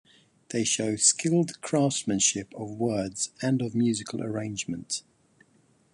They show skilled craftsmanship of words and of musical arrangement.